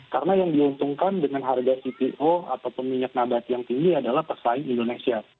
karena yang diuntungkan dengan harga cpo atau minyak nabati yang tinggi adalah tersaing indonesia